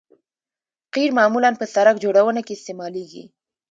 قیر معمولاً په سرک جوړونه کې استعمالیږي